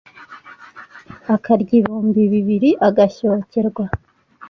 akarya ibihumbi bibiri agashyokerwa.